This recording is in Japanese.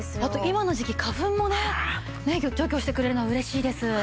あと今の時期花粉もね除去してくれるのは嬉しいです。